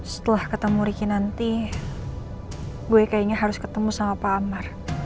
setelah ketemu ricky nanti gue kayaknya harus ketemu sama pak amar